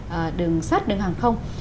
và đường sát đường hàng không